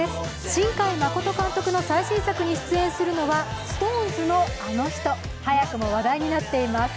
新海誠監督の最新作に出演するのはＳｉｘＴＯＮＥＳのあの人、早く話題になっています。